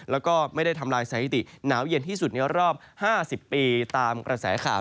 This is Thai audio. แล้วก็ไม่ได้ทำลายสถิติหนาวเย็นที่สุดในรอบ๕๐ปีตามกระแสข่าว